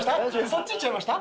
そっちいっちゃいました？